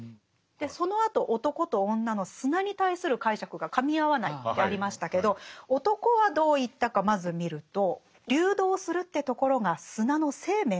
でそのあと男と女の砂に対する解釈がかみ合わないってありましたけど男はどう言ったかまず見ると。